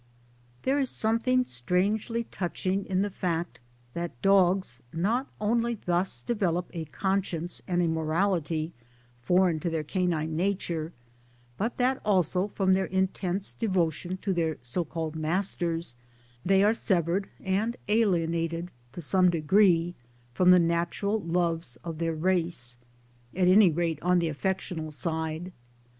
There is something strangely touching in the fact that dogs not only thus develop a conscience and a morality foreign to their canine nature, but that also from their intense devotion to their so called * masters ' they are severed and alienated to some degree from the natural loves of their race at any rate on the affectional side.